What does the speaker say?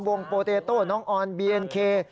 โปเตโต้น้องออนบีเอ็นเค